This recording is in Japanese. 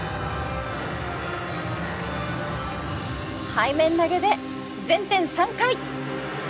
背面投げで前転３回。